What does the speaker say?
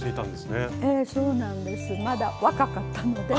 そうなんですまだ若かったので。